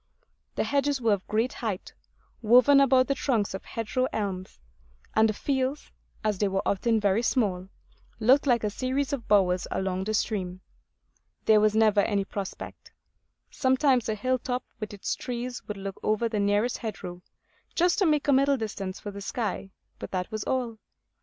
The hedges were of great height, woven about the trunks of hedgerow elms; and the fields, as they were often very small, looked like a series of bowers along the stream. There was never any prospect; sometimes a hill top with its trees would look over the nearest hedgerow, just to make a middle distance for the sky; but that was all.